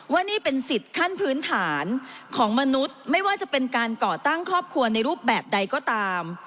ว่านี่เป็นสิทธิ์ขั้นพื้นฐานของมนุษย์ไม่ว่าจะเป็นการก่อตั้งครอบครัวในรูปแบบใดก็ตาม